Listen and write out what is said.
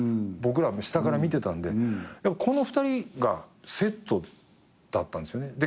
僕ら下から見てたんでこの２人がセットだったんですよね。